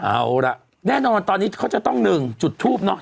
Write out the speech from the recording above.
เอาล่ะแน่นอนตอนนี้เขาจะต้องหนึ่งจุดทูปเนอะ